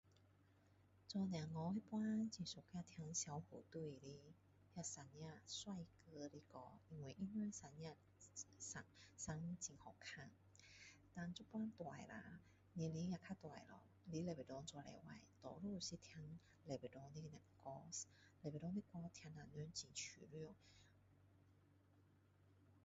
做小孩那时，很喜欢听小虎队的那三个帅哥的歌。因为他们三位生，生得很好看。但现在大了啊，年龄也较大啦，来礼拜堂做礼拜，多数是听礼拜堂他们的歌。礼拜堂的歌听了人很舒服。